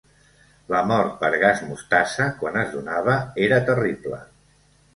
La mort per gas mostassa, quan es donava, era terrible.